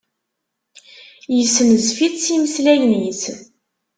Yessenzef-itt s yimeslayen-is.